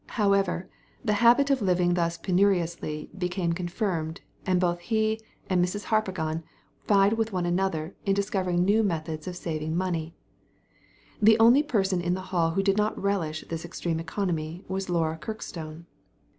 However, the habit of living thus penuriously became confirmed, and both he and Mrs. Harpagon vied with one another in dis covering new methods of saving money. The only person in the Hall who did not relish this extreme economy was Laura Kirkstone.